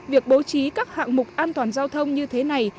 việc bố trí các hạng mục an toàn giao thông như thế này